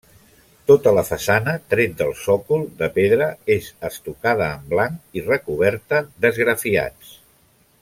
Tota la façana, tret del sòcol de pedra, és estucada en blanc i recoberta d'esgrafiats.